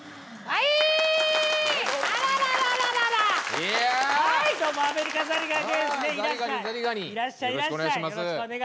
いらっしゃいいらっしゃい。